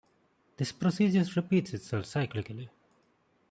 This procedure repeats itself cyclically.